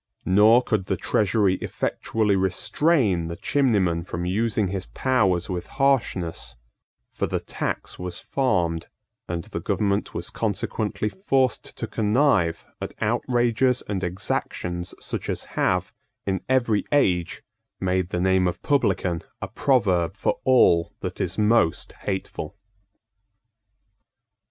Nor could the Treasury effectually restrain the chimneyman from using his powers with harshness: for the tax was farmed; and the government was consequently forced to connive at outrages and exactions such as have, in every age made the name of publican a proverb for all that is most hateful.